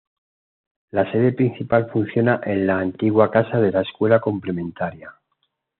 La sede principal funciona en la antigua casa de la Escuela Complementaria.